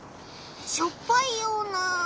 しょっぱいような。